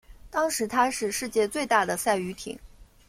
当时她是世界最大的赛渔艇。